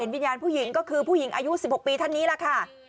วิญญาณผู้หญิงก็คือผู้หญิงอายุ๑๖ปีท่านนี้แหละค่ะ